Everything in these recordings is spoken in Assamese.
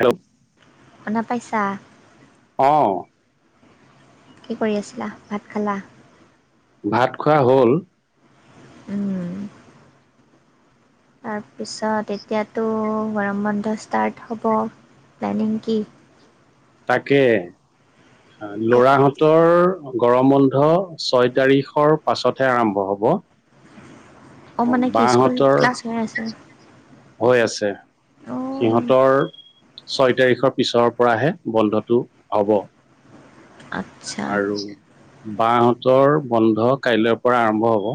হেল্ল' শুনা পাইছা অ কি কৰি আছিলা ভাত খালা? ভাত খোৱা হ'ল। উম। তাৰপিছত এতিয়াতো গৰম বন্ধ ষ্টাৰ্ট হ'ব। প্লেনিং কি তাকে ক'ত যাবা লৰাহঁতৰ গৰম বন্ধ ছয় তাৰিখৰ পাছতহে আৰম্ভ হব। হব [unintelligible] অ মানে কি স্কুল ক্লাছ হৈ আছে। হৈ আছে। অঁ সিহঁতৰ ছয় তাৰিখৰ পিছৰ পৰাহে বন্ধটো হব। আচ্ছা আৰু বাহঁতৰ বন্ধ কাইলৈৰ পৰা আৰম্ভ হব।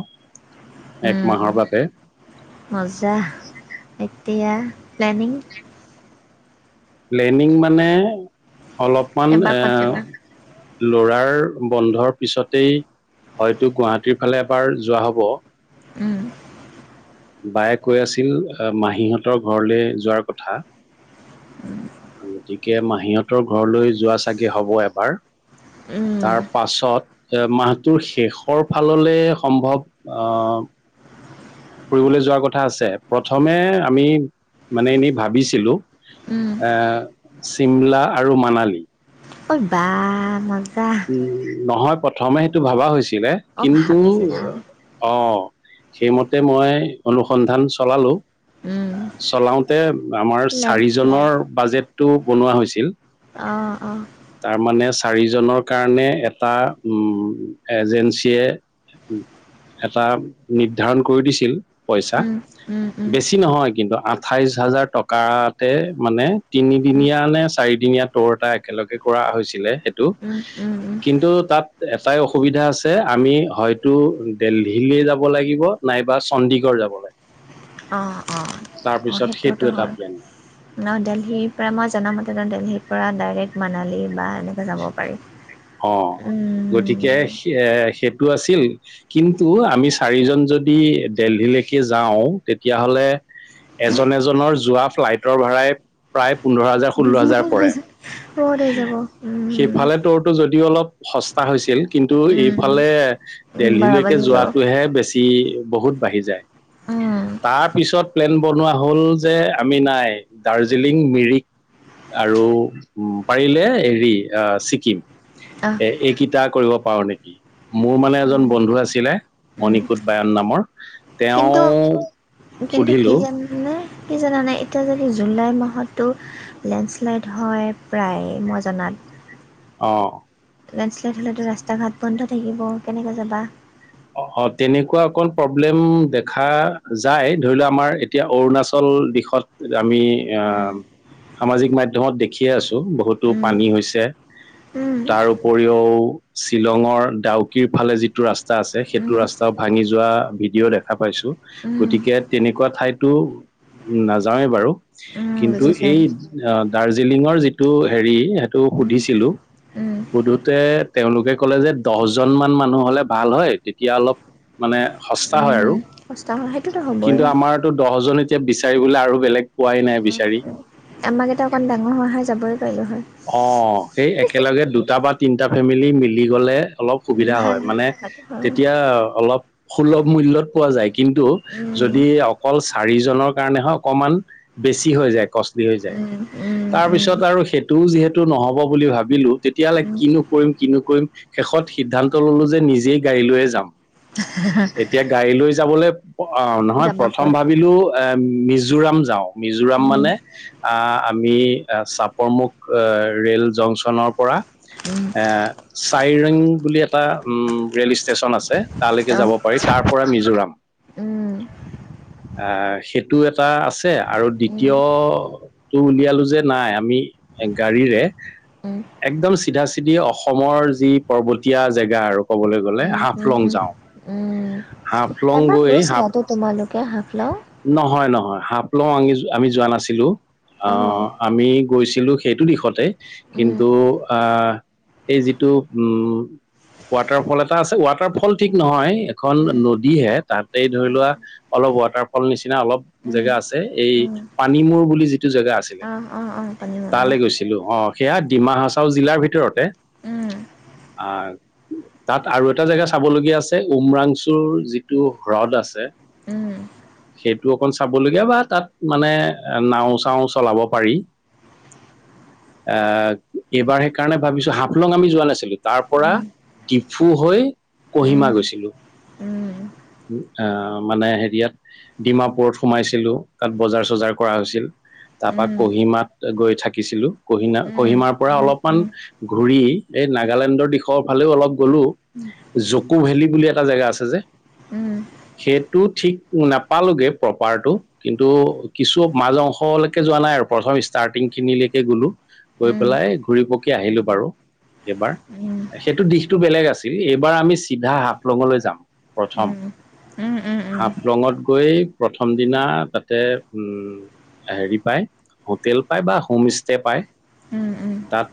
এক উম, মাহৰ বাবে। মজা এতিয়া প্লেনিং প্লেনিং মানে অলপমান এবাৰ ক'ত যাবা এ ল'ৰাৰ বন্ধৰ পিছতেই হয়তো গুৱাহাটীৰ ফালে এবাৰ যোৱা হব। উম বায়ে কৈ আছিল মাহীহঁতৰ ঘৰলৈ যোৱাৰ কথা। উম। গতিকে মাহীঁতৰ ঘৰলৈ যোৱা চাগে হব এবাৰ। তাৰ পাছত এ মাহটোৰ শেষৰ ফাললে সম্ভৱ আহ। ফুৰিবলৈ যোৱাৰ কথা আছে প্ৰথমে আমি মানে এনেই ভাবিছিলো। এ চিমলা আৰু মানালী। অঐ বা। উ নহয় প্ৰথমে সেইটো ভাবা হৈছিলে অঁ কিন্তু ভাবিছিলা মানে? অ। সেইমতে মই অনুসন্ধান চলালো উম, চলাওঁতে। আমাৰ লেণ্ডশ্লাইড চাৰিজনৰ বাজেটতটো বনোৱা হৈছিল। আহঁ অঁ। তাৰমানে চাৰিজনৰ কাৰণে এটা এজেঞ্চিয়ে। এটা নিৰ্ধাৰণ কৰি দিছিল পইচা। বেছি নহয় কিন্তু আঠাইশ হাজাৰ টকাতে মানে তিনিদিনীয়া নে চাৰিদিনীয়া। তোৰ এটা একেলগে কৰা হৈছিলে সেইটো। উম উম। কিন্তু তাত এটাই অসুবিধা আছে আমি হয়তো দেল্হিলৈ যাব লাগিব। [unintelligible] নাইবা চণ্ডীগড় যাব লাগে। অ অ অ সেইটো সেইটোতো এটা হ'ল প্লেন ন দেলহিৰ পৰা মই জনামতে। তে দেলহিৰ পৰা ডাইৰেক্ট মানালী বা এনেকৈ যাব পাৰি। অ উম, গতিকে হে। [unintelligible] সেইটো আছিল কিন্তু আমি চাৰিজন যদি দেলহিলৈকে যাওঁ তেতিয়াহ'লে। এজন এজনৰ যোৱা ফ্লাইটৰ ভাড়াই প্ৰায় পোন্ধৰ হাজাৰ। ষোল্ল হাজাৰ বহুত হৈ পৰে যাব বহুত হৈ যাব উম, সেইফালে তোৰ। টো যদিও অলপ সস্তা হৈছিল কিন্তু এইফালে। উম, বাৰ দেলহিলৈকে বাজি যাব যোৱাটোহে বেছি বহুত বাঢ়ি যায়। তাৰ পিছত প্লেন বনোৱা হ'ল যে আমি নাই দাৰ্জিলিং মিৰিক। আৰু উ পাৰিলে হেৰি আহ ছিকিম। অ। এইকেইটা কৰিব পাৰো নেকি মোৰ মানে এজন বন্ধু আছিলে মণিকুট বায়ন নামৰ। কিন্তু তেওঁ কিন্তু কি সুধিলো জাননে। কি জনা নাই এতিয়া যদি জুলাই মাহতো লেণ্ডশ্লাইড হয় প্ৰায় মই জনা। [inaudible] অ। লেণ্ডশ্লাইড হ'লেতো ৰাস্তা ঘাট বন্ধ থাকিব কেনেকে যাবা তেনেকুৱা অকণ প্ৰব্লেম দেখা যায় ধৰি লোৱা আমাৰ এতিয়া অৰুণাচল। টোল দিশত আমি উম, আহ। সামাজিক মাধ্যমত দেখিয়ে আছো বহুতো উম, পানী হৈছে উম, তাৰ উপৰিও শ্বিলঙৰ ডাউকিৰ ফালে যিটো ৰাস্তা। ৰাস্তা আছে সেইটো উম, ৰাস্তাও ভাঙি যোৱা ভিডিঅ' দেখা পাইছো উম। গতিকে তেনেকুৱা ঠাইতো। উম নাযাওঁৱে বাৰু উম কিন্তু বুজিছোঁ এই আ। দাৰ্জিলিঙৰ যিটো হেৰি সেইটো উম সুধিছিলো। উম সুধোতে তেওঁলোকে ক'লে যে দহজন মান মানুহ হলে। ভাল হয় তেতিয়া অলপ মানে সস্তা হয় উম আৰু। কষ্ট হয় সেইটোতো হ'বই কিন্তু আমাৰতো দহজন এতিয়া বিচাৰি বোলে আৰু বেলেগ পোৱাই নাই উম, বিচাৰি। আমাক এতিয়া অকণ ডাঙৰ সহায় যাবই। পাৰিলোঁ হয় অ। সেই একেলগে দুটা বা তিনিটা ফেমিলি মিলি গলে অলপ উম, সুবিধা ভাল হয় মানে হোৱাটো হয় তেতিয়া। অলপ সুলভ মূল্যত পোৱা যায় কিন্তু উম যদি অকল চাৰিজনৰ কাৰণে হয় কম। অকমান বেছি হৈ যায় কষ্টলী হৈ যায় উম উম তাৰ উম পিছত আৰু ও যিহেতু নহব বুলি ভাবিলো তেতিয়াহলে উম কি নকৰিম কি নকৰিম শেষত সিদ্ধান্ত ললো যে। নিজেই গাড়ী লৈয়ে যাম এতিয়া গাড়ী লৈ যাবলৈ। অ নহয় যাবা প্ৰথম ক'ত ভাবিলো এ মিজোৰাম যাওঁ মিজোৰাম উম মানে আহ আমি চাপৰমুখ ৰেল জংচনৰ পৰা। উম এ চাইৰেং বুলি এটা উম ৰেল ষ্টেচন আছে তালৈকে অঁ যাব পাৰি তাৰ তাৰ পৰা মিজোৰাম। উম আহ সেইটো এটা আছে আৰু উম দ্বিতীয়টো উলিয়ালো যে নাই আমি। গাড়ীৰে। উম উম একদম চিধা চিধি অসমৰ যি পৰ্বতীয়া জেগা আৰু কবলৈ গ'লে। হুম হাফলং হুম যাওঁ। উম হাফলং এবাৰ গৈ হাফ গৈছিলা তো তোমালোকে হা নহয় নহয় হফলং আমি আমি যোৱা নাছিলো। অঁ আহ আমি গৈছিলো সেইটো দিশতে উম কিন্তু আহ এই যিটো উম। ৱাটাৰফল এটা আছে ৱাটাৰফল ঠিক নহয় এখন উম নদীহে তাতে ধৰি লোৱা আচ্ছা অলপ ৱাটাৰফল। অল নিচিনা অলপ উম জেগা আছে এই উম পানীমূৰ বুলি যিটো জেগা আছিলে। অঁ অঁ অঁ পানীমৰা তালৈ গৈছিলো অ সেয়া ডিমা হাছাও জিলাৰ ভিতৰতে। উম অ তাত আৰু এটা জেগা চাবলগীয়া আছে উমৰাংচুৰ যিটো হ্ৰদ আছে। উম সেইটো অকণ চাবলগীয়া বা তাত মানে নাও চাও চলাব পাৰি। আহ এইবাৰ সেইকাৰণে ভাবিছো হাফলং আমি যোৱা নাছিলো তাৰ পৰা। উম ডিফু হৈ কহিমা উম গৈছিলোঁ। উম আহ মানে হেৰিয়াত। ডিমাপুৰত সোমাইছিলো তাত বজাৰ চজাৰ কৰা হৈছিল। তাৰপা সেই কহিমাত গৈ থাকিছিলো। কহিনা কহিমাৰ পৰা অলপমান ঘূৰি এই নাগালেণ্ডৰ দিশৰ ফালেও অলপ গ'লো। জকু ভেলী বুলি এটা জেগা আছে যে। উম। টু থ্ৰী উ নাপালোগে প্ৰপাৰটো কিন্তু কিছু মাজ অংশলৈকে যোৱা নাই আৰু প্ৰথম ষ্টাৰ্টিং খিনিলকে গলো গৈ পেলাই ঘুৰি পকি আহিলো বাৰু এইবাৰ সেইটো দি। টো বেলেগ আছিল এইবাৰ আমি চিধা হাপলঙলৈ যাম। প্ৰথম উম উম উম উম। হাফলঙত গৈ প্ৰথম দিনা তাতে উ। হেৰি পায় হোটেল পায় বা হোম ষ্টে পায় তাত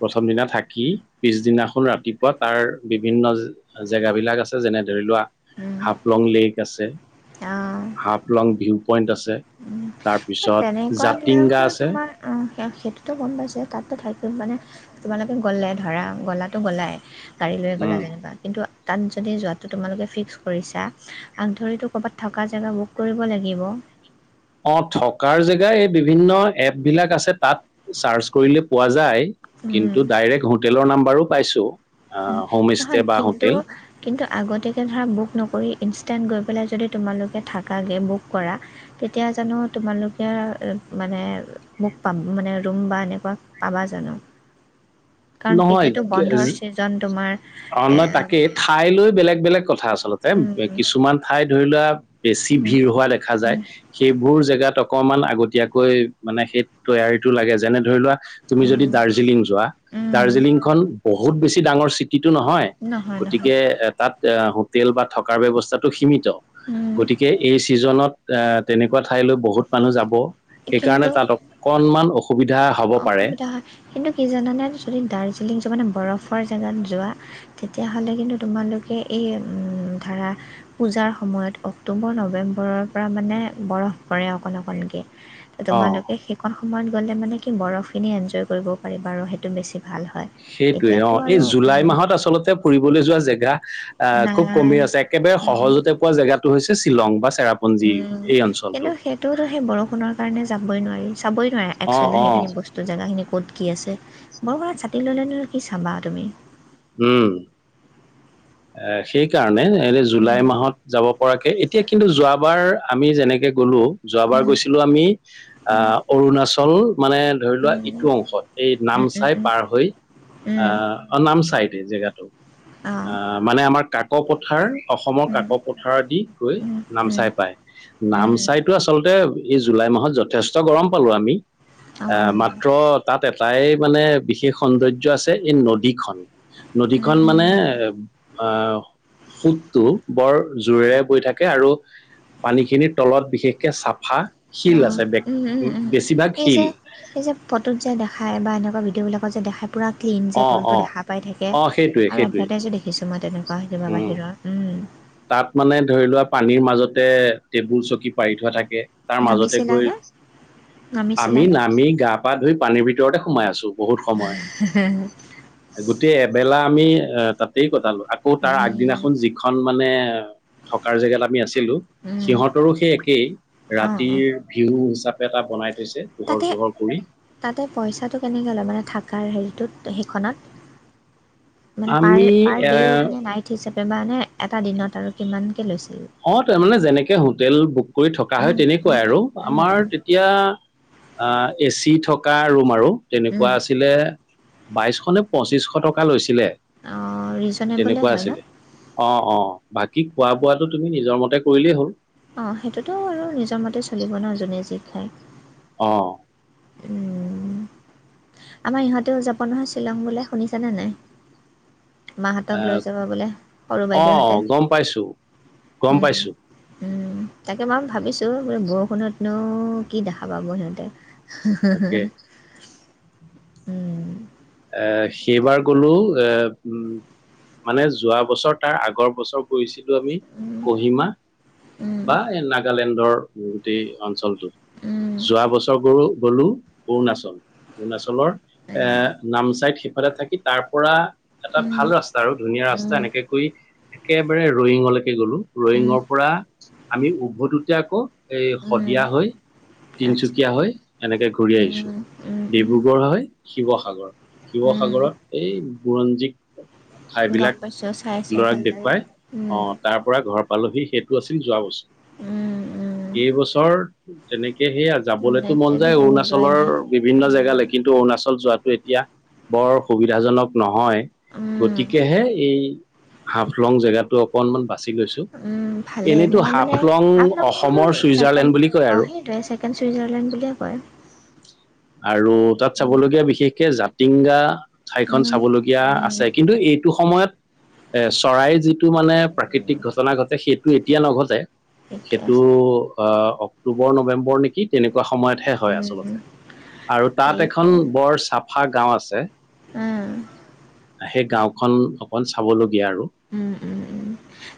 প্ৰথম দিনা থাকি পিছদিনাখন ৰাতিপুৱা তাৰ বিভিন্ন জেগাবলাক আছে যেনে। ধৰি লোৱা। হাফলং লেক আছে হাফলং ভিউ পইণ্ট আছে। তাৰপিছত তেনেকুৱা জাতিংগা বিলাকো আছে। তোমাৰ অ সেইটোতো গম পাইছে তাতো থাকিম মানে। তোমালোকে গ'লে ধৰা গ'লাো গ'লাই গাড়ী লৈ গ'লা উম। যেনিবা কিন্তু। তাত যদি যোৱাটো তোমালোকে ফিক্স কৰিছা আগ ধৰিতো ক'ৰবাত থকা জেগা বুক কৰিব লাগিব। [inaudible] অ থকাৰ জেগাই এই বিভিন্ন এপ বিলাক আছে তাত চাৰ্চ কৰিলে পোৱা যায়। কিন্তু উম ডাইৰেক্ট হোটেলৰ নাম্বাৰো পাইছো উম, অ। নহয় কিন্তু কিন্তু আগতীয়াকে ধৰা বুক নকৰি ইনষ্টেণ্ট গৈ পেলাই যদি তোমালোকে থাকাগৈ বুক কৰা তেতিয়া জানো তোমালোকে মানে মোক প মানে ৰুম বা এনেকুৱা পাবা জানো। কাৰণ এতিয়াতো বন্ধৰ ছিজন তোমাৰ অঁ এ, নয় তাকেই ঠাইলৈ বেলেগ বেলেগ কথা আচলতে উম, কিছুমান ঠাই ধৰি লোৱা বেছি উম, ভিৰ হোৱা দেখা যায় উম, সেইবোৰ জেগাত অকমান আগতীয়াকৈ মানে সেই তৈয়াৰীটো লাগে যেনে ধৰি লোৱা তুমি যদি উম, দাৰ্জিলিং যোৱা। উম, দাৰ্জিলিংখন বহুত বেছি ডাঙৰ চিটিটো নহয় নহয় নহয় গতিকে তাত এ হোটেল বা থকাৰ ব্যৱস্থাটো সীমিত। উম, গতিকে এই ছিজনত তেনেকুৱা ঠাইলৈ বহুত মানুহ যাব। সেইকাৰণে কিন্তু তাত অকনমান। অসুবিধা হয় কিন্তু কি জানে। যদি দাৰ্জিলিং যোৱা মানে বৰফৰ জেগাত যোৱা তেতিয়াহ'লে কিন্তু তোমালোকে এই ধাৰা পূজাৰ সময়ত অক্টোবৰ নৱেম্বৰৰ পৰা মানে বৰফ পৰে অকণ অকণকৈ ত অ তোমালোকে সেইখন সময়ত গ'লে মানে কি বৰফ খিনি এনজয় কৰিব পাৰিবা আৰু সেইটো বেছি। ভাল হয় সেইটয়ে অ এতিয়াতো এই আৰু জুলাই উম, মাহত আচলতে ফুৰিবলৈ যোৱা জেগা আহ খুব নাই কমি আছে একেবাৰে নাই সহজতে পোৱা জেগাটো হৈছে শ্বিলং বা চেৰাপুঞ্জী উম এই অঞ্চলটো কিন্তু সেইটোতো সেই বৰষুণৰ কাৰণে যাবই নোৱাৰি চাবই নোৱাৰে অ একসুৱেলি অ সেইখিনি বস্তু জেগাখিনি ক'ত কি আছে। বৰ পৰা ছাতি ল'লে ন কি চাবা তুমি উম সেই কাৰণে তেনে জুলাই উম, মাহত যাব পৰাকৈ এতিয়া কিন্তু যোৱাবাৰ আমি যেনেকৈ গ'লোঁ যোৱাবাৰ উম, গৈছিলো আমি উম, আহ অৰুণাচল মানে ধৰি লোৱা উম, ইটো উম, অংশত এই উম, নামচাই উম, পাৰ হৈ উম, আহ নামচাইত জেগাটো। অ', মানে আমাৰ কাক পথাৰ। অসমৰ কাক উম, পথাৰ আদি গৈ উম, উম, উম, অ', উম, নামচাই পায় নামচাইতো আচলতে তে এই জুলাই মাহত যথেষ্ট গৰম পালো আমি। আহ অ', মাত্ৰ তাত এটাই মানে বিশেষ সৌন্দৰ্য্য আছে এই নদীখন। নদীখন মানে উম, এ আঁ। সোতটো বৰ জোৰেৰে বৈ থাকে আৰু পানী খিনিৰ তলত বিশেষকে চাফা শিল আছে ব উম, উ উম, এই যে এই যে ফটোত যে দেখাই বা এনেকুৱা ভিডিঅ'বিলাকত যে দেখাই পূৰা ক্লিন যে অ তলটো অ দেখা পাই থাকে অ সেইটোৱে আৰু সেইটোৱে এডভাৰ্টাইজো দেখিছোঁ মই তেনেকুৱা সতিমাৰ উম বাহিৰত উম তাত মানে ধৰি লোৱা পানীৰ মাজতে টেবুল চকী পাৰি থোৱা থাকে। তাৰ মাজতে গৈ নামিছিলানে? আমি নামিছিলানে? নামি গা পা ধুই পানীৰ ভিতৰতে সোমাই আছো। বহুত সময় গোটেই এবেলা আমি তাতেই কটালো। আকৌ তাৰ উম, আগদিনাখন যিখন মানে থকাৰ জেগাত আমি আছিলো উম, সিহঁতৰো সেই একেই অ', অ', ৰাতিৰ ভিউ হিচাপে এটা বনাই থৈছে পোহৰ তাতে চোহৰ কৰি তাতে পইচাটো কেনেকৈ লয় মানে থাক কাৰ হেৰিটোত সেইখনত মান প আমি পাৰ এ মে নাইট হিচাপে বাে এটা দিনত আৰু কিমানকে লৈছে [unintelligible] অ তাৰমানে যেনেকে হোটেল বুক কৰি থকা হয় তেনেকুৱাই আৰু আমাৰ তেতিয়া অঁ এ চি থকা ৰুম আৰু তেনেকুৱা আছিলে বাইশখনে পঁচিশশ টকা লৈছিলে অঁ ৰিজনেবলে তেনেকুৱা হয় ন আছিলে অঁ অঁ। বাকী খোৱা বোৱাটো তুমি নিজৰ মতে কৰিলেই হ'ল অঁ সেইটোতো আৰু নিজৰ মতে চলিব নোৱাৰো যোনে যি খায় অঁ। উম, আমাৰ ইহঁতেও উ যাভ নহয় শ্বিলং বোলে শুনিছনে নাই [unintelligible] মাহঁতক লৈ আহ যাব বোলে সৰু অঁ বাইদেউহঁতে গম পাইছো। গম উম, পাইছোঁ। উম। তাকে বাৰু ভাবিছো বৰষুণতনো কি দেখা পাব সিহঁতে তাকে [unintelligible] [unintelligible] উম এ সেইবাৰ গলো এ [unintelligible] মানে যোৱা বছৰ তাৰ আগৰ বছৰ কৰিছিলো আমি উম, কহিমা উম, [unintelligible] বা এই নাগালেণ্ডৰ গোটেই অঞ্চলটোত উম, [unintelligible] যোৱা বছৰ গলো-গলো অৰুণাচল অৰুণাচলৰ এ [unintelligible] নামচাই সিফালে থাকি তাৰ পৰা এটা উম, উম, ভাল ৰাস্তা আৰু ধুনীয়া ৰাস্তা উম, এনেকে কৰি একে [unintelligible] একেবাৰে ৰয়িঙলৈকে গলো উম, ৰয়িঙৰ পৰা [unintelligible] আমি উভতোতে আকৌ এই উম। শদিয়া হৈ [unintelligible] আচ্ছা তিনিচুকীয়া হৈ এনেকে ঘূৰি আহিছো উম, উম, উম, ডিব্ৰুগড় হয় শিৱসাগৰ [unintelligible] উম, শিৱসাগৰত এই বুৰঞ্জীক [unintelligible] গম ঠাইবিলাক পাইছোঁ চাই চাই লৰাক ভাল লাগে। দেখুৱাই উম, আহ তাৰ পৰা ঘৰৰ [unintelligible] পালোহি সেইটো আছিল যোৱা বছৰ উম, উম, এই বছৰ তেনেকে সে আ [unintelligible] উম, যাবলৈতো মন যায় এতিয়ালৈকে মিলোৱাই অৰুণাচলৰ নাই। বিভিন্ন উম, জেগালৈ কিন্তু অৰুণাচল যোৱাটো এতিয়া [unintelligible] বৰ সুবিধাজনক নহয় উম, গতিকেহে এই [unintelligible] হাফলং জেগাটো অকনমান বাচি লৈছোঁ উম, [unintelligible] ভালেই এনেতো মই মানে হাফলং হাফ লং বুলিতো অসমৰ ছেকেণ্ড চুইজাৰলেণ্ড বুলি কয় অ', আৰু [unintelligible] সেইটোৱে ছেকেণ্ড চুইজাৰলেণ্ড বুলিয়ে কয়। আৰু তাত চাবলগীয়া বিশেষকে জাতিংগা ঠাইখন উম, চাবলগীয়া উম, আছে কিন্তু এই [unintelligible] সেইটো সময়ত [unintelligible] এ চৰাইৰ যিটো মানে প্ৰাকৃতিক ঘটনা ঘটে সেইটো এতিয়া নঘটে [unintelligible] ঠিকে সেইটো আছে। আহ অক্টোবৰ নৱেম্বৰ নেকি তেনেকুৱা সময়তহে হয় উম, আচলতে [unintelligible] আৰু তাত ঠিক এখন বৰ চাফা গাঁও আছে। অ'। [unintelligible] সেই গাঁওখন অকন চাবলগীয়া আৰু উম, উম, উম।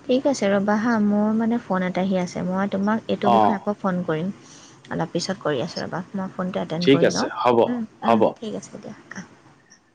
ঠিক আছে ৰ'বা হা মোৰ মানে ফোন এটা আহি আছে মই তোমাক এইটো অ বিষয়ে আকৌ ফোন কৰিম। [unintelligible] অলপ পিছত কৰি আছো ৰবা [unintelligible] মই ফোনটো এটেণ্ড ঠিক কৰি লওঁ আছে হ'ব উম-উম হ'ব ঠিক আছে দিয়া আহ [unintelligible]